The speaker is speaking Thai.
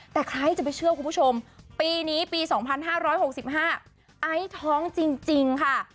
แต่ใครจะไปเชื่อคุณผู้ชมปีนี้ปี๒๕๖๕ไอซ์ท้องจริงค่ะ